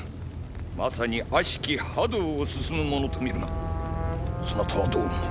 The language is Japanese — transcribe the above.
まさに悪しき覇道を進む者と見るがそなたはどう思う？